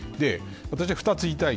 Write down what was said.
私は２つ言いたい。